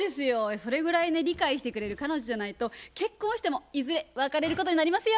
それぐらいね理解してくれる彼女じゃないと結婚してもいずれ別れることになりますよ。